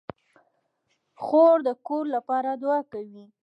خور د کور لپاره دعا کوي.